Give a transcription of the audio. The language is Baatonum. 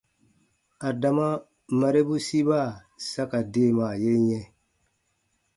Adama marebu siba sa ka deemaa ye yɛ̃.